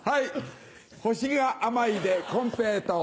星が「甘い」でコンペイトー。